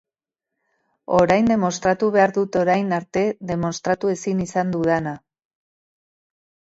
Orain demostratu behar dut orain arte demostratu ezin izan dudana.